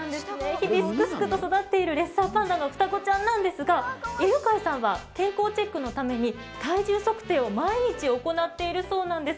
日々すくすくと育っているレッサーパンダの双子ちゃんなんですが、犬飼さんは健康チェックのために体重測定を毎日行っているそうなんです。